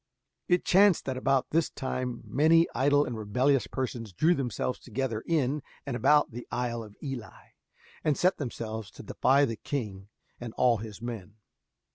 It chanced that about this time many idle and rebellious persons drew themselves together in and about the Isle of Ely, and set themselves to defy the king and all his men.